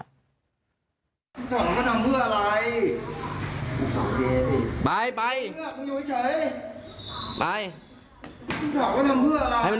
ไปไปรับสภาพให้ได้